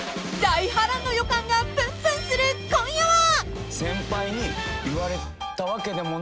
［大波乱の予感がプンプンする今夜は］